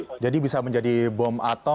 oke jadi bisa menjadi bom atom penampilan atau apa